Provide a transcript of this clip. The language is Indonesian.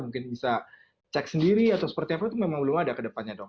mungkin bisa cek sendiri atau seperti apa itu memang belum ada kedepannya dok